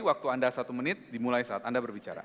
waktu anda satu menit dimulai saat anda berbicara